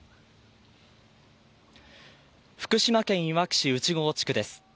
福島県いわき市内郷地区です。